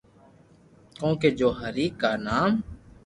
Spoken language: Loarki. ڪونڪھ جو ھري ڪا نام